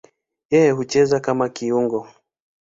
Yeye hucheza kama kiungo.